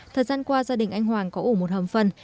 thời gian qua gia đình anh hoàng có ủ một hầm phân